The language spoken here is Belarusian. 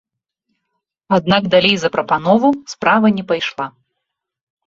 Аднак далей за прапанову справа не пайшла.